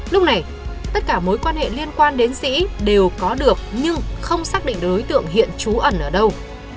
lúc này tất cả mối quan hệ liên quan đến sĩ đều có được nhưng không xác định được đối tượng hiện trú ẩn ở đâu